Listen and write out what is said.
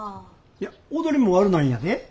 いや踊りも悪ないんやで。